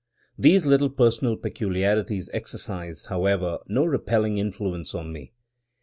These little personal peculiarities exercised, however, no repelling influence on me.